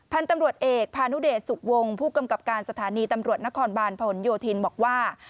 พันธุ์ตำรวจเอกพานุเดชสุขวงผู้กำกับการสถานีตำรวจนครบาลพหนโยธินบอกว่า